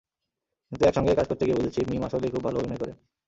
কিন্তু একসঙ্গে কাজ করতে গিয়ে বুঝেছি, মিম আসলেই খুব ভালো অভিনয় করেন।